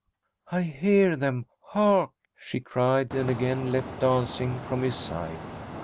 "I hear them hark!" she cried, and again leapt, dancing from his side.